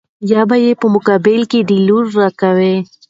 يا به يې په مقابل کې دې لور را کوې.